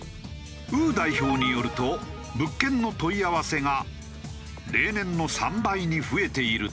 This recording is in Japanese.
ウー代表によると物件の問い合わせが例年の３倍に増えているという。